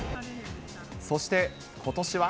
そして、ことしは。